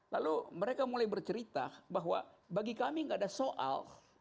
lalu mereka mulai bercerita bahwa bagi kami tidak ada soal